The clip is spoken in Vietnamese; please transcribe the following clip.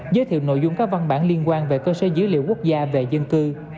giới thiệu nội dung các văn bản liên quan về cơ sở dữ liệu quốc gia về dân cư